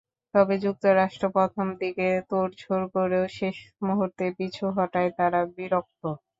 তবে যুক্তরাষ্ট্র প্রথম দিকে তোড়জোড় করেও শেষ মুহূর্তে পিছু হটায় তারা বিরক্ত।